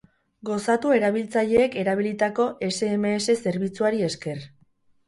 Gozatu erabiltzaileek erabilitako sms zerbitzuari esker.